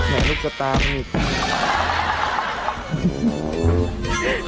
แหม่ลูกกระตามีตา